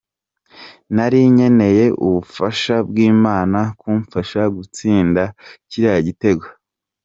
"Nari nkeneye ubufasha bw'Imana kumfasha gutsinda kiriya gitego.